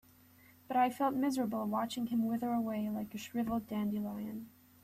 But I felt miserable watching him wither away like a shriveled dandelion.